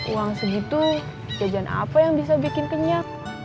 uang segitu jajan apa yang bisa bikin kenyak